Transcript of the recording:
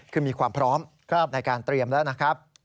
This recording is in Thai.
คือมีความพร้อมในการเตรียมแล้วนะครับ